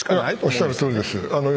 おっしゃるとおりです。